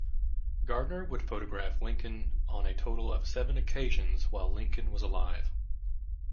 Gardner would photograph Lincoln on a total of seven occasions while Lincoln was alive.